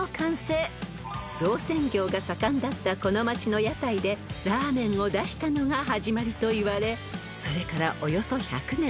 ［造船業が盛んだったこの町の屋台でラーメンを出したのが始まりといわれそれからおよそ１００年］